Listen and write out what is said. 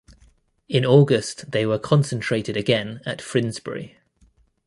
In August they were concentrated again at Frindsbury.